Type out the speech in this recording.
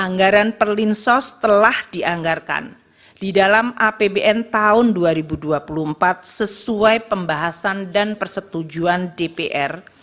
anggaran perlinsos telah dianggarkan di dalam apbn tahun dua ribu dua puluh empat sesuai pembahasan dan persetujuan dpr